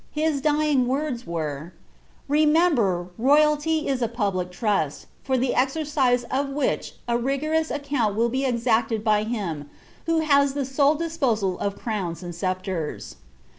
His dying word^ were, ^ Remember, royalty is a public trust, for the exercise of which a rigorous account will be exacted by Him who has the sole disposal of erowns and sceptres.